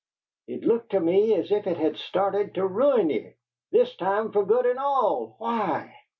It looked to me as if it had started to ruin ye, this time fer good and all! Why?